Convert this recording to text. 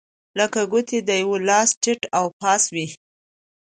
لکه ګوتې د یوه لاس ټیت و پاس وې.